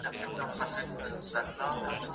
ايا ازادي د انسان حق دی؟